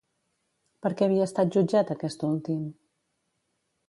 Per què havia estat jutjat aquest últim?